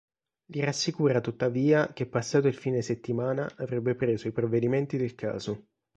Li rassicura tuttavia che passato il fine settimana avrebbe preso i provvedimenti del caso.